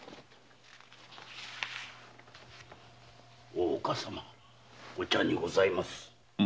大岡様お茶でございます。